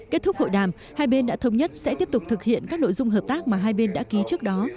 kết thúc hội đàm hai bên đã thống nhất sẽ tiếp tục thực hiện các nội dung hợp tác mà hai bên đã ký trước đó